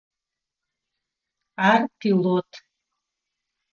Ар пилот.